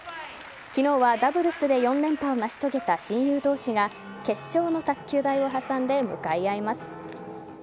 昨日はダブルスで４連覇を成し遂げた親友同士が決勝の卓球台を挟んで向かい合います。